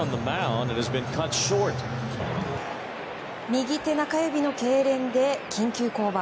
右手中指のけいれんで緊急降板。